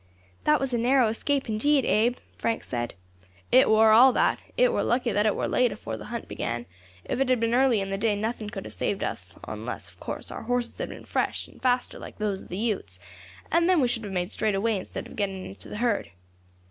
"That was a narrow escape indeed, Abe," Frank said. "It war all that. It war lucky that it war late afore the hunt began; if it had been early in the day nothing could have saved us onless, of course, our horses had been fresh, and faster than those of the Utes, and then we should have made straight away instead of getting into the herd."